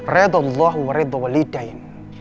redha allah dan redha orang tua